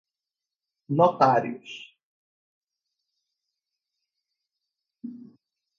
notários